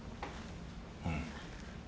うん。